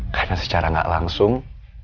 karena secara gak langsung